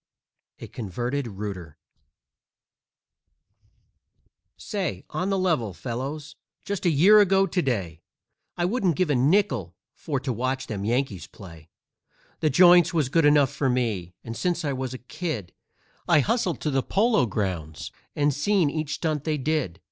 _ A CONVERTED ROOTER Say, on the level, fellows, just a year ago to day I wouldn't give a nickel for to watch them Yankees play; The Joints was good enough for me, and since I was a kid I hustled to the Polo Grounds and seen each stunt they did.